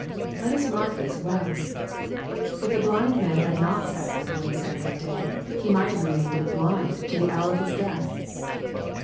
Let us mark this well ! If the blind man had not sat by the way side that day, he might have remained blind to the hour of his death.